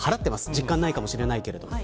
実感ないかもしれないけれど。